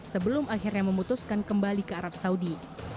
sebelum akhirnya memutuskan kembali ke arab saudi